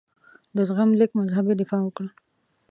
د زغم لیک مذهبي دفاع وکړه.